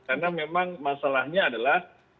karena memang masalahnya adalah